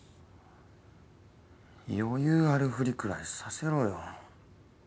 余裕あるふりくらいさせろよ。